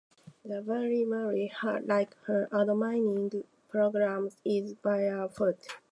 The Virgin Mary, like her admiring pilgrims, is barefoot.